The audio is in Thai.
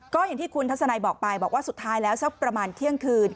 ก็อย่างที่คุณทัศนัยบอกไปบอกว่าสุดท้ายแล้วสักประมาณเที่ยงคืน